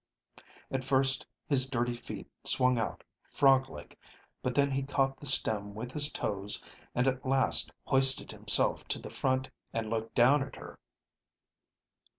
At first his dirty feet swung out frog like, but then he caught the stem with his toes and at last hoisted himself to the front and looked down at her.